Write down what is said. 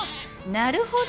なるほど！